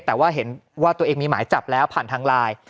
แต่ว่าเห็นว่าตัวเองมีหมายจับแล้วผ่านทางไลน์